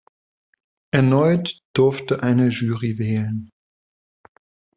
Erneut durfte eine Jury wählen.